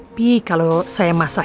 waduh sayang ya